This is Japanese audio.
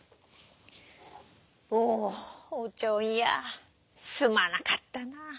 「おおおちょんやすまなかったな。